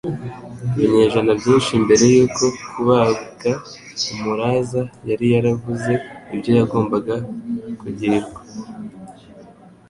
Ibinyejana byinshi mbere y'uko kubambwa, Umulaza yari yaravuze ibyo yagombaga kugirirwa.